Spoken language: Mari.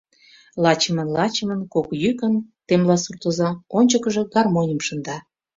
Лачымын-лачымын, кок йӱкын, — темла суртоза, ончыкыжо гармоньым шында.